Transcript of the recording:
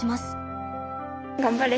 頑張れ。